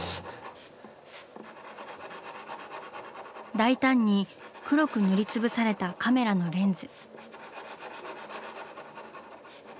大胆に黒く塗りつぶされたカメラのレンズ。